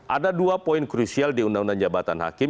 ada dua poin krusial di undang undang jabatan hakim